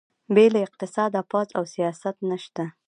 بې له اقتصاده پوځ او سیاست نشته.